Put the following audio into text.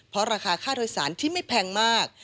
เพราะราคาค่าโดยสารที่ไม่แพงมาก